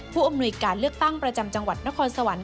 ผู้อำนวยการเลือกตั้งประจำจังหวัดนครสวรรค